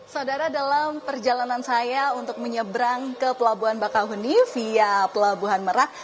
saudara dalam perjalanan saya untuk menyebrang ke pelabuhan bakau huni via pelabuhan merah